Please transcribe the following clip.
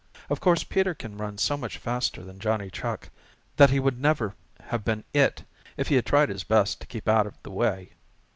Of course Peter can run so much faster than Johnny Chuck that he would never have been "it" if he had tried his best to keep out of the way.